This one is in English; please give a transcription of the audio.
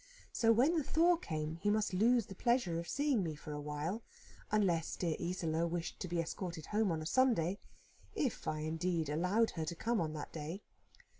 So when the thaw came, he must lose the pleasure of seeing me for a while, unless dear Isola wished to be escorted home on a Sunday; if, indeed, I allowed her to come on that day.